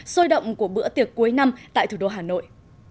sôi động của bữa tiệc cuối năm tại thủ đô hà nội